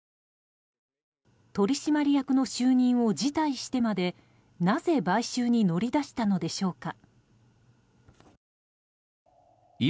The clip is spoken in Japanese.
取締役の就任を辞退してまでなぜ買収に乗り出したのでしょうか。